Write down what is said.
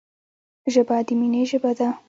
ژبه د مینې ژبه ده